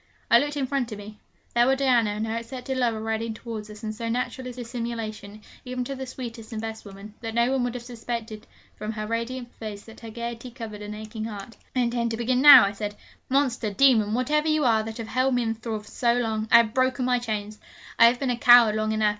I looked in front of me: there were Diana and her accepted lover riding towards us; and so natural is dissimulation, even to the sweetest and best women, that no one would have suspected from her radiant face that her gaiety covered an aching heart. 'I intend to begin now,' I said. 'Monster, demon, whatever you are that have held me in thrall so long, I have broken my chains! I have been a coward long enough.